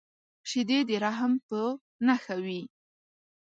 شیدې د رحم په نښه وي